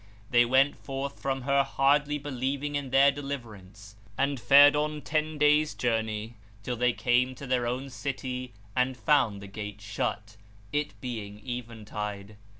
They went forth from her hardly believing in their deliverance, and fared on ten days' journey till they came to their own city and found the gate shut, it being eventide.